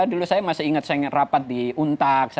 dulu saya masih ingat saya rapat di untak